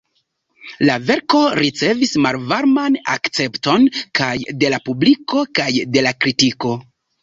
La verko ricevis malvarman akcepton, kaj de la publiko kaj de la kritiko.